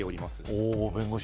お弁護士